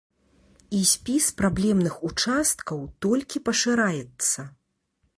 І спіс праблемных участкаў толькі пашыраецца.